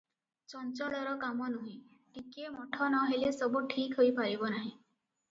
ଚଞ୍ଚଳର କାମ ନୁହେ- ଟିକିଏ ମଠ ନ ହେଲେ ସବୁ ଠିକ ହୋଇ ପାରିବ ନାହିଁ ।